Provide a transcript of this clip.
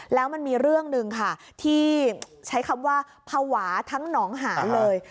แล้วมันมีเรื่องหนึ่งค่ะที่ใช้คำว่าภาวะทั้งหนองหานเลย